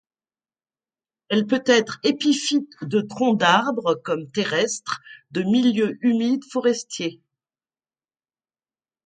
Elle peut être épiphyte de troncs d'arbre comme terrestre, de milieux humides forestiers.